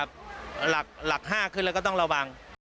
หลัก๕ขึ้นแล้วก็ต้องระวัง